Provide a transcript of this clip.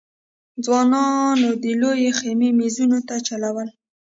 ځوانانو د لويې خېمې مېزونو ته چلول.